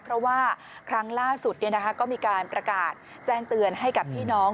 เพราะว่าครั้งล่าสุดก็มีการประกาศแจ้งเตือนให้กับพี่น้อง